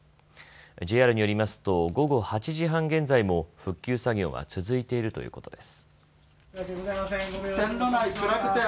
ＪＲによりますと午後８時半現在も復旧作業は続いているということです。